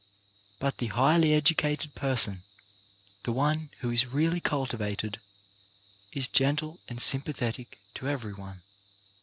But the highly educated person, the one who is really cultivated, is gentle and sympathetic to everyone.